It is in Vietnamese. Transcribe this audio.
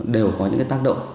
đều có những tác động